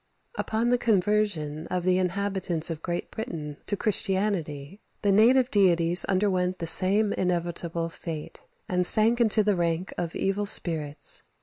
Upon the conversion of the inhabitants of Great Britain to Christianity, the native deities underwent the same inevitable fate, and sank into the rank of evil spirits.